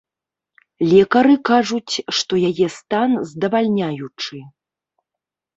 Лекары кажуць, што яе стан здавальняючы.